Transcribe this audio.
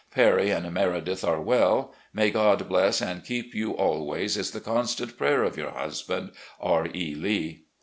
Perry and Meredith are well. May God bless and keep you always is the constant prayer of your husband, "R. E. Lee."